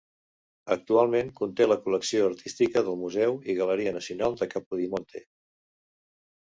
Actualment conté la col·lecció artística del Museu i Galeria Nacional de Capodimonte.